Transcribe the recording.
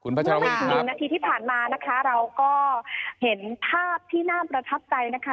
อีกหนึ่งนาทีที่ผ่านมานะคะเราก็เห็นภาพที่น่าประทับใจนะคะ